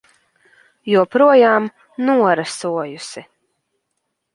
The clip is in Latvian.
Joprojām norasojusi.